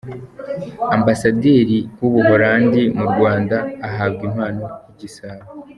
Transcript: Ambasaderi w’Ubuhalandi mu Rwanda ahabwa impano y’igisabo.